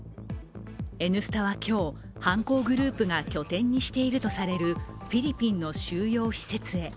「Ｎスタ」は今日、犯行グループが拠点にしているとされるフィリピンの収容施設へ。